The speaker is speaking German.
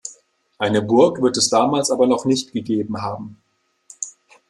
Eine Burg wird es damals aber noch nicht gegeben haben.